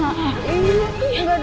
udah cepetan cepetan